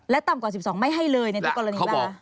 ต่ำกว่า๑๒ไม่ให้เลยในทุกกรณีไหมคะ